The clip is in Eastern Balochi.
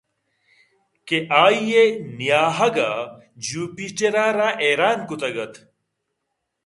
کہ آئی ءِ نیاہگءَجیوپیٹرءَرا حیران کُتگ ات